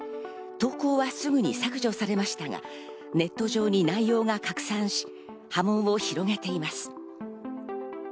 投稿はすぐに削除されましたが、ネット上に内容が拡散し波紋を広げています。